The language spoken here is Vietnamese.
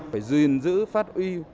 phải duyên giữ phát huy